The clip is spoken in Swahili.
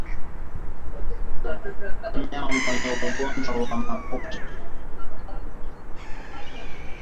Mnyama mwenye ugonjwa wa mapafu hupumua kwa shida